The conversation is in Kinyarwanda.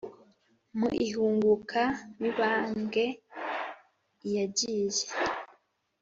mu ihunguka mibambwe i yagiye